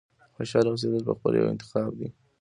• خوشحاله اوسېدل پخپله یو انتخاب دی.